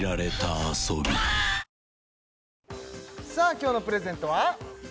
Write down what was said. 今日のプレゼントは？